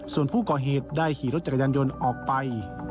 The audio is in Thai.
ส่วนผู้ก่อเหตุได้ขี่รถจักรยานยนต์ออกไป